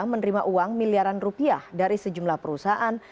menerima uang miliaran rupiah dari sejumlah perusahaan